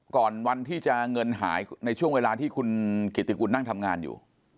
วันที่จะเงินหายในช่วงเวลาที่คุณกิติกุลนั่งทำงานอยู่